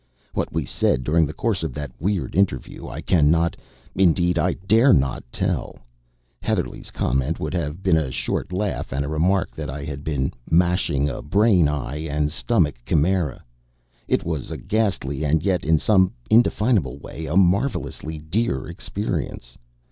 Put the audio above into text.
What we said during the course of that weird interview I cannot indeed, I dare not tell. Heatherlegh's comment would have been a short laugh and a remark that I had been "mashing a brain eye and stomach chimera." It was a ghastly and yet in some indefinable way a marvelously dear experience.